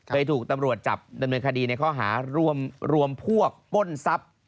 ถูกตำรวจจับดำเนินคดีในข้อหารวมพวกปล้นทรัพย์